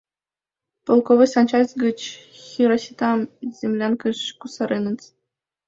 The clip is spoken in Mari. Полковой санчасть гыч Хироситам землянкыш кусареныт.